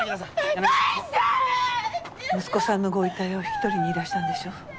息子さんのご遺体を引き取りにいらしたんでしょ。